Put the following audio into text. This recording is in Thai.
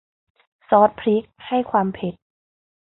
ซอสพริกให้ความเผ็ด